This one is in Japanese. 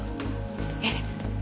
えっ？